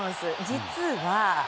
実は。